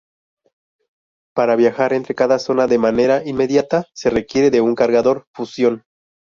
Para viajar entre cada zona de manera inmediata, se requiere de un Cargador Fusión.